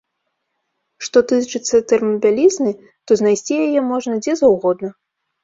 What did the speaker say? Што тычыцца тэрмабялізны, то знайсці яе можна дзе заўгодна.